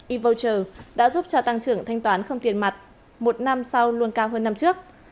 evocher đã giúp cho tăng trưởng thanh toán không tiền mặt một năm sau luôn cao hơn năm trước